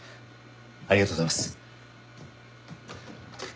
ありがとうございます。